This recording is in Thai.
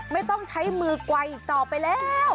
ไม่ต้องใช้มือไกลอีกต่อไปแล้ว